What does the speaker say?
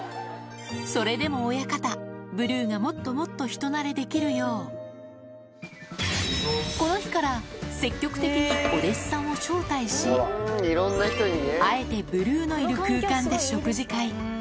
それでも親方、ブルーがもっともっと人なれできるよう、この日から積極的にお弟子さんを招待し、あえてブルーのいる空間で食事会。